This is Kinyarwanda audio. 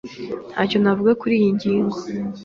Ntacyo navuga kuriyi ngingo.